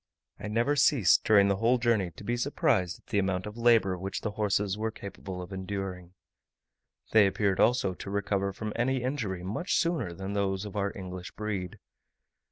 I never ceased, during the whole journey, to be surprised at the amount of labour which the horses were capable of enduring; they appeared also to recover from any injury much sooner than those of our English breed.